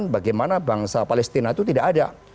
bagaimana bangsa palestina itu tidak ada